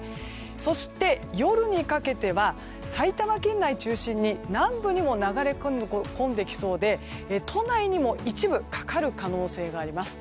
そして夜にかけては埼玉県内中心に南部にも流れ込んできそうで都内にも一部かかる可能性があります。